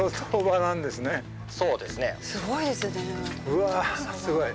うわすごい。